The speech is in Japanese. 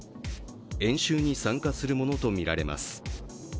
演習に参加するものとみられます。